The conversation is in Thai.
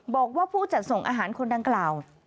บอกว่าผู้จัดส่งอาหารคนดังกล่าว